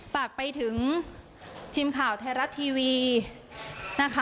ฝากไปถึงทีมข่าวไทยรัฐทีวีนะคะ